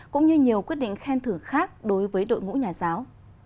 cũng như nhiều quyết định khen thử khác đối với đội ngũ nhà giáo